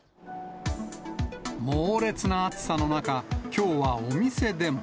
猛烈な暑さの中、きょうはお店でも。